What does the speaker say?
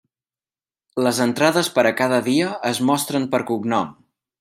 Les entrades per a cada dia, es mostren per cognom.